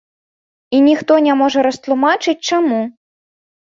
І ніхто не можа растлумачыць, чаму.